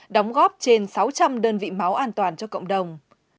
đóng góp trên sáu trăm linh đơn vị máu an toàn cho cộng đồng